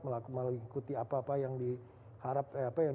mengikuti apa apa yang